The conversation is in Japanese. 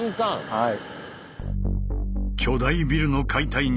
はい。